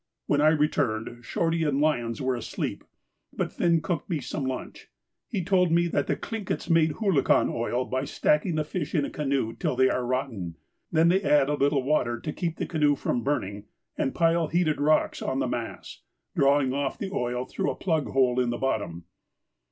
When I returned Shorty and Lyons were asleep, but Finn cooked me some lunch. He told me that the Tlinkits make hoolachan oil by stacking the fish in a canoe till they are rotten, they then add a little water to keep the canoe from burning, and pile heated rocks on the mass, drawing off the oil through a plug hole at the bottom.